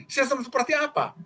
sistem seperti apa